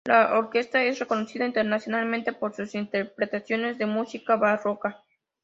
La orquesta es reconocida internacionalmente por sus interpretaciones de música barroca.